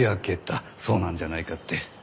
そうなんじゃないかって。